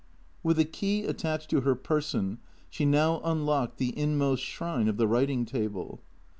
With a key attached to her person she now unlocked the inmost shrine of the writing table.